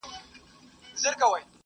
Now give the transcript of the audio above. ژوند د انسان د زړورتیا ښوونځي دی